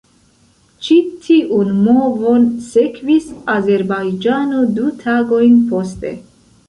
Ĉi tiun movon sekvis Azerbajĝano du tagojn poste.